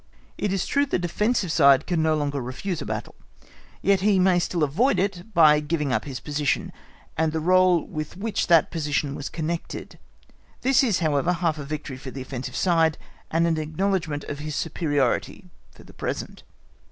It is true the defensive side can no longer refuse a battle, yet he may still avoid it by giving up his position, and the rôle with which that position was connected: this is however half a victory for the offensive side, and an acknowledgment of his superiority for the present.